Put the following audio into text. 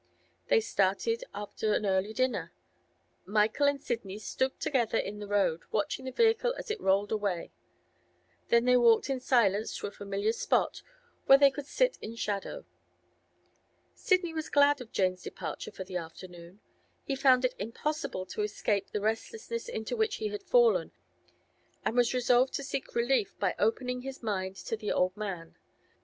They started after an early dinner. Michael and Sidney stood together in the road, watching the vehicle as it rolled away; then they walked in silence to a familiar spot where they could sit in shadow. Sidney was glad of Jane's departure for the afternoon. He found it impossible to escape the restlessness into which he had fallen, and was resolved to seek relief by opening his mind to the old man.